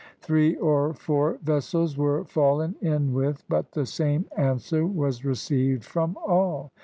Three or four vessels were fallen in with, but the same answer was received from all.